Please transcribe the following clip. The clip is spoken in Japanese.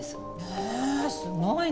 へえすごいね。